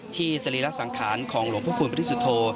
ที่สรีรัสสางคามของหลวงพระคุณปฏิสุโธ